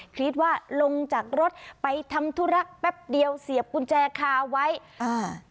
คิดว่าลงจากรถไปทำธุระแป๊บเดียวเสียบกุญแจคาไว้อ่า